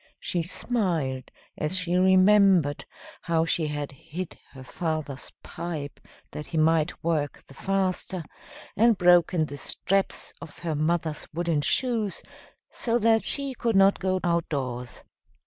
She smiled as she remembered how she had hid her father's pipe that he might work the faster, and broken the straps of her mother's wooden shoes, so that she could not go outdoors.